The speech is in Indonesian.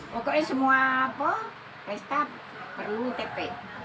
pokoknya semua apa pesta perlu tepek